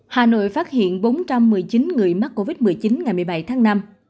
hà nội phát hiện bốn trăm một mươi chín người mắc covid một mươi chín ngày một mươi bảy tháng năm